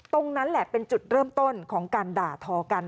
ตรงนั้นแหละเป็นจุดเริ่มต้นของการด่าทอกัน